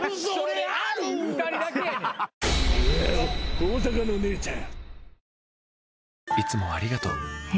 大阪の姉ちゃん。